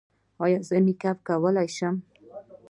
ایا زه میک اپ کولی شم؟